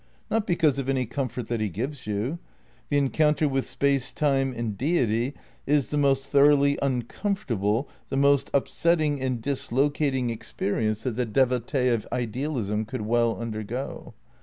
Not because of any comfort that he gives you. The encounter with Space, Time and Deity is the most thoroughly uncom fortable, the most upsetting and dislocating experience that the devotee of idealism could well undergo.